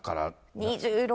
２６。